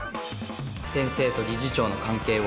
先生と理事長の関係を